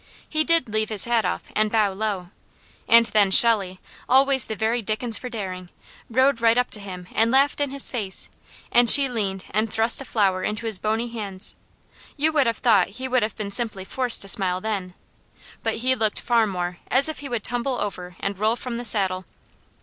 He did leave his hat off and bow low, and then Shelley, always the very dickens for daring, rode right up to him and laughed in his face, and she leaned and thrust a flower into his bony hands; you would have thought he would have been simply forced to smile then, but he looked far more as if he would tumble over and roll from the saddle.